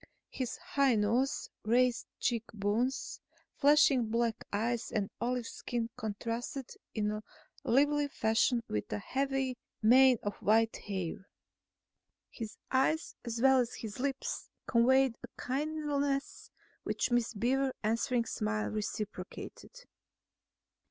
His high nose, raised cheek bones, flashing black eyes and olive skin contrasted in lively fashion with a heavy mane of white hair. His eyes as well as his lips conveyed a kindliness which Miss Beaver's answering smile reciprocated.